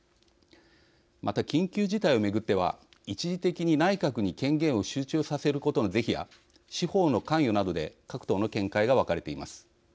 また、緊急事態を巡っては一時的に、内閣に権限を集中させることの是非や司法の関与などで各党の見解が分かれています。